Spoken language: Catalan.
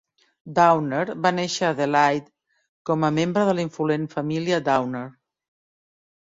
Downer va néixer a Adelaide com a membre de la influent família Downer.